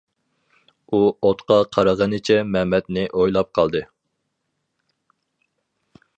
ئۇ ئوتقا قارىغىنىچە مەمەتنى ئويلاپ قالدى.